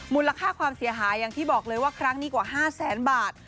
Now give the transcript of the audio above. มูลค่าความเสียหายอย่างที่บอกเลยว่าครั้งนี้กว่า๕แสนบาท